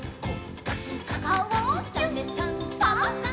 「サメさんサバさん